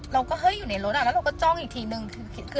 เราก็เฮ้ยอยู่ในรถอะแล้วเราก็จ้องอีกทีหนึ่งคือคือ